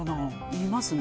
いますね。